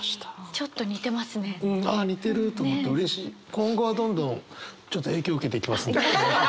今後はどんどんちょっと影響受けていきますんで。